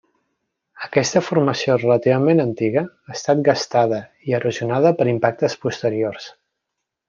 Aquesta formació relativament antiga ha estat gastada i erosionada per impactes posteriors.